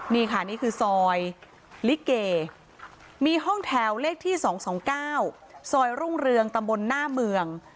นี่ค่ะนี่คือซอยลิเกมีห้องแถวเลขที่๒๒๙ซอยรุ่งเรืองตำบลหน้าเมือง